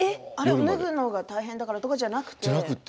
脱ぐのが大変だからとかじゃなくて。